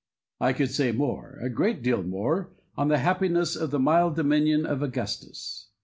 I could say more, a great deal more, on the happiness of the mild dominion of Augustus.